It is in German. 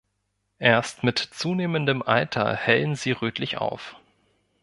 Erst mit zunehmendem Alter hellen sie rötlich auf.